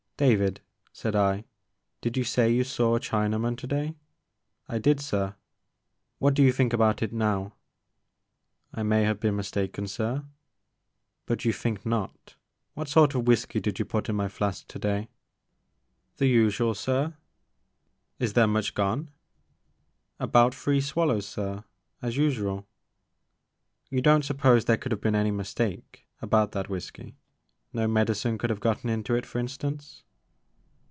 * David,'* said I, did you say you saw a Chinaman today ?"'* I did sir.'' *' What do you think about it now ?"I may have been mistaken sir " But you think not. What sort of whiskey did you put in my flask today ?1 1 The Maker of Moons. 2 9 I Tbetisiialsir.'' < Is there much gone ? I '* About three swallows sir, as usual." '* You don't suppose there could have been any mistake about that whiskey, — no medicine could have gotten into it for instance."